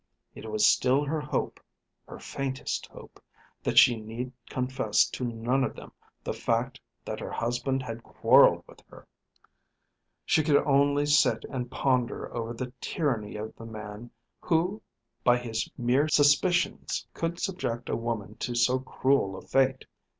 It was still her hope, her faintest hope, that she need confess to none of them the fact that her husband had quarrelled with her. She could only sit and ponder over the tyranny of the man who by his mere suspicions could subject a woman to so cruel a fate.